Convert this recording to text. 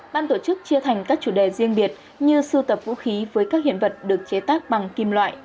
ban tổ chức chia thành các chủ đề riêng biệt như sưu tập vũ khí với các hiện vật được chế tác bằng kim loại